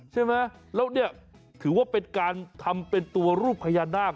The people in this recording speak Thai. ใช่ไหมแล้วเนี่ยถือว่าเป็นการทำเป็นตัวรูปพญานาค